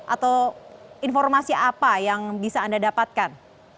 atau informasi apa yang bisa anda dapatkan